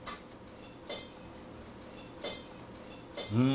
うん！